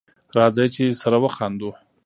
راځی چی سره وخاندو